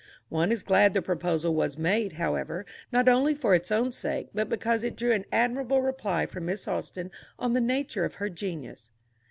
One is glad the proposal was made, however, not only for its own sake, but because it drew an admirable reply from Miss Austen on the nature of her genius.